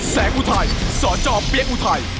แสงอุทัยสอจอบเปี๊ยกอุทัย